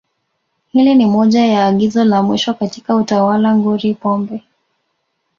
Hili ni moja ya agizo la mwisho katika utawala nguri Pombe